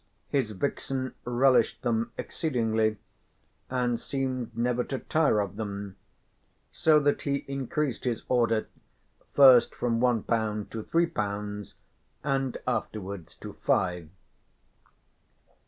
His vixen relished them exceedingly and seemed never to tire of them, so that he increased his order first from one pound to three pounds and afterwards to five.